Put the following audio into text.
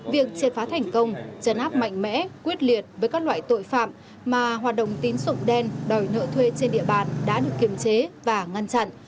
việc triệt phá thành công trấn áp mạnh mẽ quyết liệt với các loại tội phạm mà hoạt động tín dụng đen đòi nợ thuê trên địa bàn đã được kiềm chế và ngăn chặn